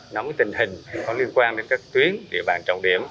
nắm tình hình có liên quan đến các tuyến địa bàn trọng điểm